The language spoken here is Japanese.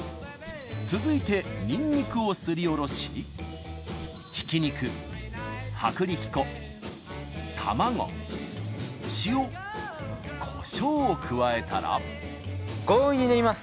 続いてにんにくをすりおろしひき肉薄力粉卵塩こしょうを加えたら強引に練ります。